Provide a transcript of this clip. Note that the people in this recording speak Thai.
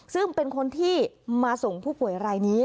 ซึ่งเป็นคนที่มาส่งผู้ป่วยรายนี้